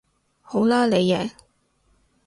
好啦你贏